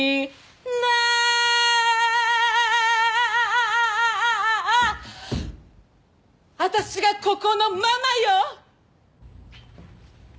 「ね」あたしがここのママよ！